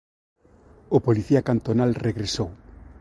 O policía cantonal regresou.